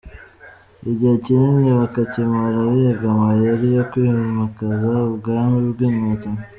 Igihe kinini bakakimara biga amayeri yo kwimakaza ubwami bw’Inkotanyi.